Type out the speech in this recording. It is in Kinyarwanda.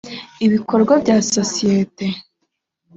y ibikorwa bya sosiyete